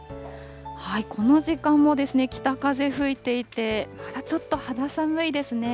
この時間も北風吹いていて、まだちょっと肌寒いですね。